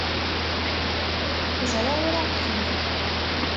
Ẓriɣ ur aɣ-tḥemmel.